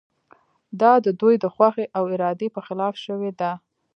دا د دوی د خوښې او ارادې په خلاف شوې ده.